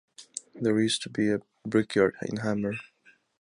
There used to be a brickyard in Hammer.